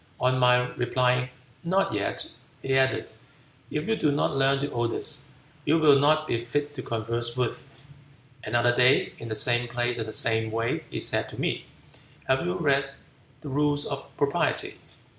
On my replying, 'Not yet,' he added, 'If you do not learn the Odes, you will not be fit to converse with.' Another day, in the same place and the same way, he said to me, 'Have you read the rules of Propriety?'